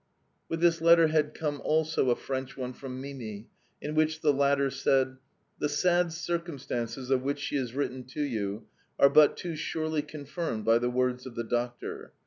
With this letter had come also a French note from Mimi, in which the latter said: "The sad circumstances of which she has written to you are but too surely confirmed by the words of the doctor.